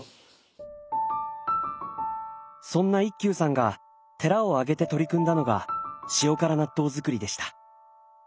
そんな一休さんが寺を挙げて取り組んだのが塩辛納豆造りでした。